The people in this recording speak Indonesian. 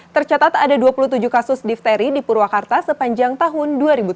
tercatat ada dua puluh tujuh kasus difteri di purwakarta sepanjang tahun dua ribu tujuh belas